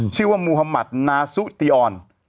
ชื่อว่ามูฮัมมัธนาซุติออน